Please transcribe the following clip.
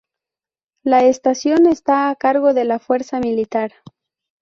La estación está a cargo de la fuerza militar.